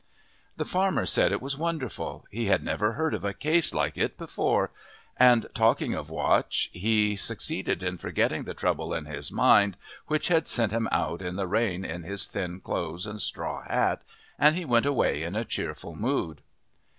The farmer said it was wonderful he had never heard of a case like it before; and talking of Watch he succeeded in forgetting the trouble in his mind which had sent him out in the rain in his thin clothes and straw hat, and he went away in a cheerful mood.